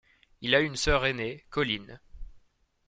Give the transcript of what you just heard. Il a une sœur aînée, Coline.